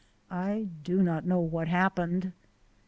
I do not know what happened.